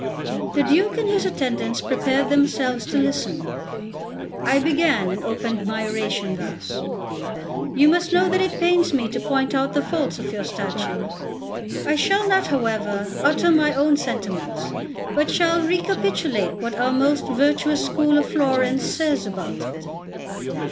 The Duke and his attendants prepared themselves to listen. I began and opened by oration thus: "You must know that it pains me to point out the faults of your statue; I shall not, however, utter my own sentiments, but shall recapitulate what our most virtuous school of Florence says about it."